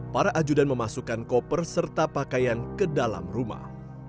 para ajudan memasukkan koper serta pakaian ke dalam rumah